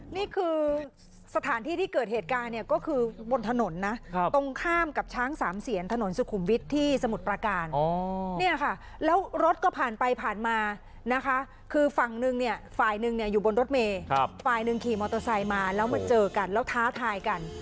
นี่คือสถานที่ที่เกิดเหตุการณ์เนี่ยก็คือบนถนนนะตรงข้ามกับช้างสามเสียนถนนสุขุมวิทย์ที่สมุทรประการเนี่ยค่ะแล้วรถก็ผ่านไปผ่านมานะคะคือฝั่งหนึ่งเนี่ยฝ่ายหนึ่งเนี่ยอยู่บนรถเมย์ฝ่ายหนึ่งขี่มอเตอร์ไซค์มาแล้วมาเจอกันแล้วท้าทายกัน